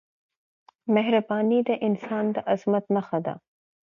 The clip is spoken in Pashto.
مهرباني د انسان د عظمت نښه ده.